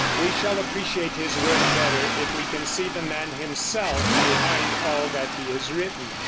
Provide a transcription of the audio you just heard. We shall appreciate his work better if we can see the man himself behind all that he has written.